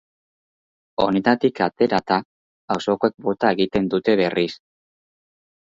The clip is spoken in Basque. Onetatik aterata, auzokoek bota egiten dute berriz.